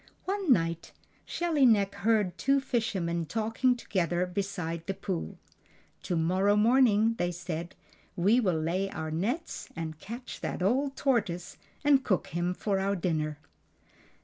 One night Shelly Neck heard two fishermen talking together beside the pool. "To morrow morning," they said, "we will lay our nets and catch that old tortoise and cook him for our dinner."